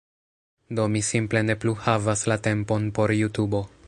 Do mi simple ne plu havas la tempon por Jutubo